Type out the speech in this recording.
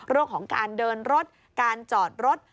เรื่องของการเดินรถการจอดรถ